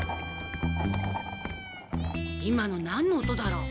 今のなんの音だろう？